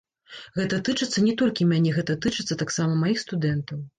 Гэта тычыцца не толькі мяне, гэта тычыцца таксама маіх студэнтаў.